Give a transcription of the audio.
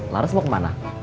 laras mau ke mana